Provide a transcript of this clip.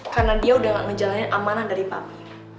karena dia udah gak menjalani amanah dari papi